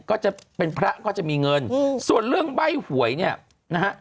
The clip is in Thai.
ก็จะเป็นพระก็จะมีเงินส่วนเรื่องใบ้หวยเนี่ยนะฮะ